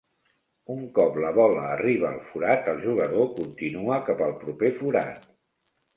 Un cop la bola arriba al forat, el jugador continua cap al proper forat.